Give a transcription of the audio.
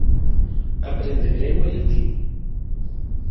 Aprende grego e latín.